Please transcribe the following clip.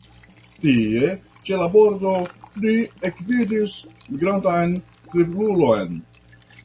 Tie ĉe la bordo li ekvidis migrantan kriplulon.